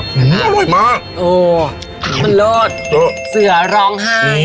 อื้ออร่อยมากโอ้มันโลดเสือร้องไห้